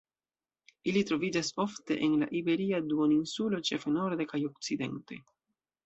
Ili troviĝas ofte en la Iberia Duoninsulo ĉefe norde kaj okcidente.